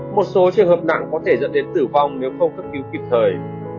một số trường hợp nặng có thể dẫn đến tử vong nếu không cấp cứu kịp thời